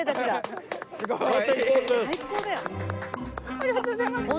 ありがとうございます！